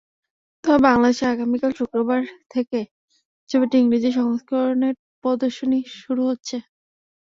তবে বাংলাদেশে আগামীকাল শুক্রবার থেকেই ছবিটির ইংরেজি সংস্করণের প্রদর্শনী শুরু হচ্ছে।